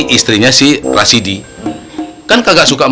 istrinya si rasidi kan kagak suka